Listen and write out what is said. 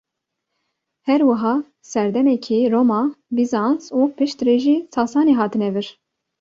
Her wiha serdemekê Roma, Bîzans û piştre jî sasanî hatine vir.